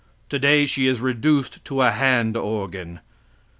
Today she is reduced to a hand organ.